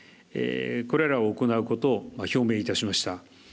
それらを行うことを表明いたしました。